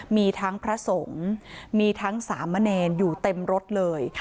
มีทั้งพระสงฆ์มีทั้งสามเณรอยู่เต็มรถเลย